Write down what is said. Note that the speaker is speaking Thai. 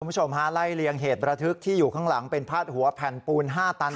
คุณผู้ชมฮะไล่เลียงเหตุประทึกที่อยู่ข้างหลังเป็นพาดหัวแผ่นปูน๕ตัน